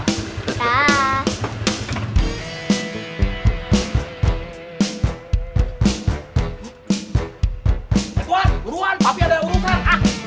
eh tuan turuan papi ada urusan